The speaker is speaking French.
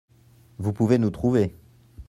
Vous pouvez nous trouver.